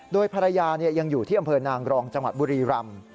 โดยภรรยายังอยู่ที่อำเภอนางรองจังหวัดบุรีรำ